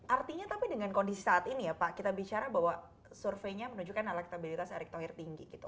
artinya tapi dengan kondisi saat ini ya pak kita bicara bahwa surveinya menunjukkan elektabilitas erick thohir tinggi gitu